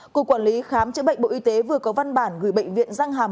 cục quản lý khám chữa bệnh bộ y tế vừa có văn bản gửi bệnh viện răng hàm